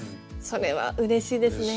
それはうれしいですね。